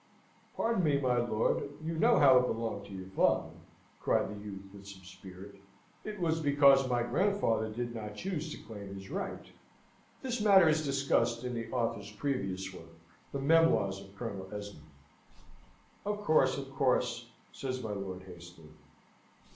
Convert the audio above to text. "Pardon me, my lord. You know how it belonged to your father," cried the youth, with some spirit. "It was because my grandfather did not choose to claim his right." [This matter is discussed in the Author's previous work, The Memoirs of Colonel Esmond.] "Of course, of course," says my lord, hastily.